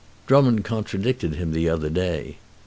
"Drummond contradicted him the other day."